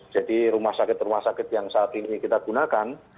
jadi rumah sakit rumah sakit yang saat ini kita gunakan